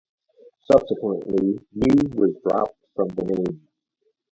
Subsequently, "New" was dropped from the name.